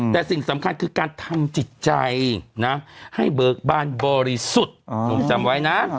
แต่สิ่งสำคัญคือการทำจิตใจนะให้เบิกบานบริสุทธิ์หนุ่มจำไว้นะ